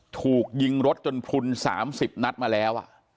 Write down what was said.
ถูกยิงรถจนพลุน๓๐นัดมาแล้ว